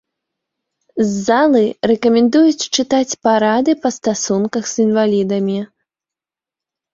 З залы рэкамендуюць чытаць парады па стасунках з інвалідамі.